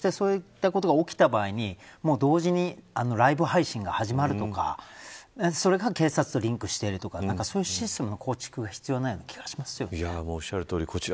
そしてそういったことが起きた場合に同時にライブ配信が始まるとかそれが警察とリンクしているとかそういうシステムの構築が必要な気がします。